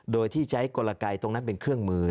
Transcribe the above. โดยที่ใช้กลไกตรงนั้นเป็นเครื่องมือ